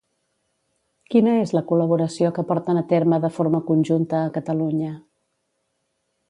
Quina és la col·laboració que porten a terme de forma conjunta a Catalunya?